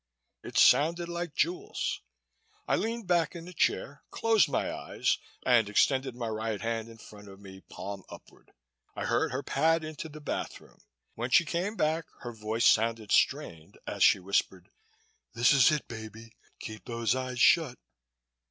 It sounded like jewels. I leaned back in the chair, closed my eyes and extended my right hand in front of me, palm upward. I heard her pad into the bathroom. When she came back, her voice sounded strained as she whispered: "This is it, baby. Keep those eyes shut!"